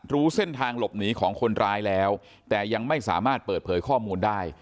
รู้เส้นทางหลบหนีของคนร้ายแล้วแต่ยังไม่สามารถเปิดเผยข้อมูลได้